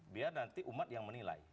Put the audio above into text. biar nanti umat yang menilai